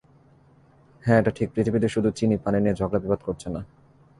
হ্যাঁ, এটা ঠিক, পৃথিবীতে শুধু চীনই পানি নিয়ে ঝগড়া-বিবাদ করছে না।